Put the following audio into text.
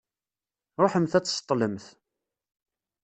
Ṛuḥemt ad d-tseṭṭlemt.